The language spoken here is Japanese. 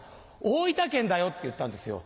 「大分県だよ」って言ったんですよ。